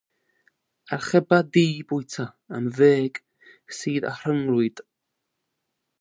archeba dŷ bwyta am ddeg sydd â rhyngrwyd.